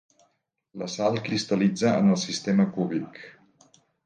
La sal cristal·litza en el sistema cúbic.